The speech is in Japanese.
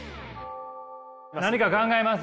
何か考えます？